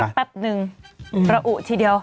เอ้าพักปัปหนึ่งระอุทีเดียว